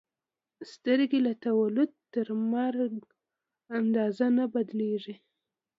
سترګې له تولد تر مرګ اندازه نه بدلېږي.